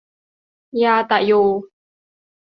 ญาตะโย